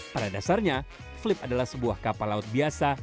pada dasarnya flip adalah sebuah kapal laut biasa